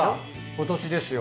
今年ですよ。